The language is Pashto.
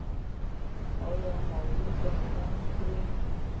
ایا غوړ به کم کړئ؟